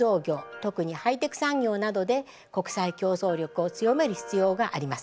特にハイテク産業などで国際競争力を強める必要があります。